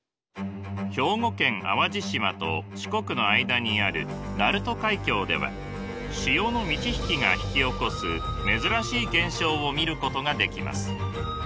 兵庫県淡路島と四国の間にある鳴門海峡では潮の満ち引きが引き起こす珍しい現象を見ることができます。